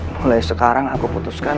mulai sekarang aku putuskan